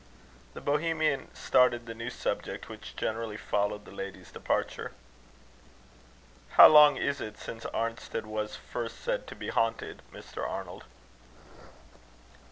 The Bohemian started the new subject which generally follows the ladies' departure. "How long is it since Arnstead was first said to be haunted, Mr. Arnold?"